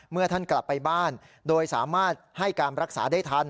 เมื่อท่านกลับไปบ้านโดยสามารถให้การรักษาได้ทัน